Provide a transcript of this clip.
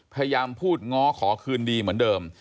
พยายามพูดง้อขอคืนดีเหมือนเดิม